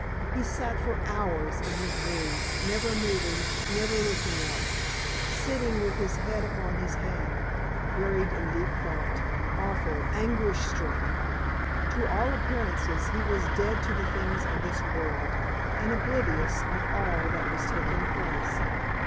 He sat for hours in his room, never moving, never looking up sitting with his head upon his hand, buried in deep thought, awful, anguish stricken. To all appearances he was dead to the things of this world, and oblivious of all that was taking place.